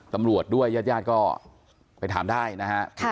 ตำรวจด้วยญาติญาติก็ไปถามได้นะฮะ